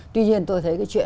tuy nhiên tôi thấy cái chuyện